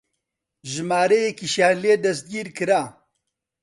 ژمارەیەکیشیان لێ دەستگیر کرا